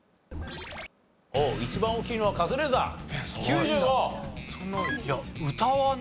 一番大きいのはカズレーザー９５。